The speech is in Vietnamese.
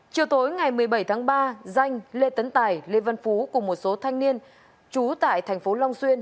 chiều tối ngày một mươi bảy tháng ba danh lê tấn tài lê văn phú cùng một số thanh niên trú tại thành phố long xuyên